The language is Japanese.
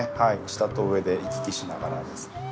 下と上で行き来しながらです。